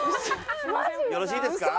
よろしいですか？